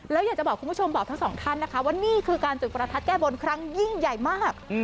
แล้วอยากจะบอกคุณผู้ชมบอกทั้งสองท่านนะคะว่านี่คือการจุดประทัดแก้บนครั้งยิ่งใหญ่มาก